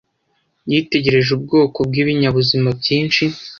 Yitegereje ubwoko bwibinyabuzima byinshi.